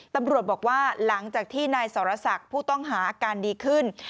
ตำรวจบอกว่าหลังจากที่นายสรศักดิ์ผู้ต้องหาอาการดีขึ้น